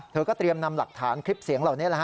เธอก็เตรียมนำหลักฐานคลิปเสียงเหล่านี้